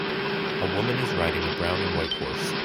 A woman is riding a brown and white horse.